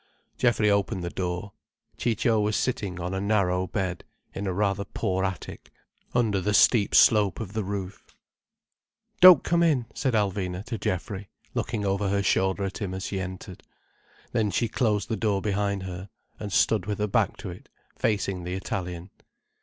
Geoffrey opened the door. Ciccio was sitting on a narrow bed, in a rather poor attic, under the steep slope of the roof. "Don't come in," said Alvina to Geoffrey, looking over her shoulder at him as she entered. Then she closed the door behind her, and stood with her back to it, facing the Italian.